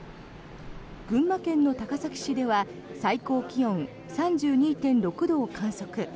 群馬県の高崎市では最高気温３２．６度を観測。